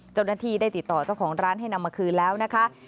เจ้าหน้าที่ได้ติดต่อเจ้าของร้านให้นำมาคืนแล้วนะคะ